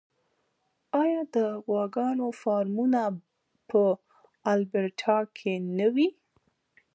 آیا د غواګانو فارمونه په البرټا کې نه دي؟